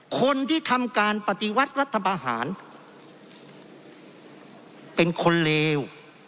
คนที่ทำการปฏิวัติรัฐบาหารเป็นคนเลว